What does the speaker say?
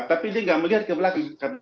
tapi dia nggak melihat ke belakang